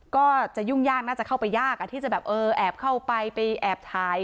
ก็จะยุ่งยากน่าจะเข้าไปยากที่จะแบบเออแอบเข้าไปไปแอบถ่าย